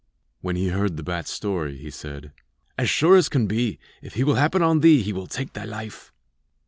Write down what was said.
When he heard the bat's story, he said: 'As sure as can be, if he will happen on thee, he will take thy life.'